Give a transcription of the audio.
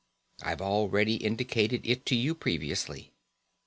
I've already indicated it to you previously.